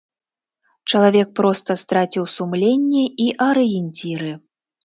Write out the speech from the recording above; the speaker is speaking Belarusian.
Чалавек проста страціў сумленне і арыенціры.